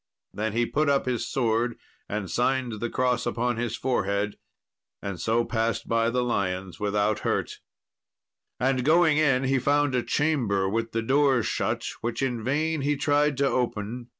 Then he put up his sword and signed the cross upon his forehead, and so passed by the lions without hurt. And going in, he found a chamber with the door shut, which in vain he tried to open.